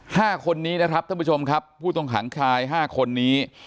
ห้าคนนี้นะครับท่านผู้ชมครับผู้ต้องขังชายห้าคนนี้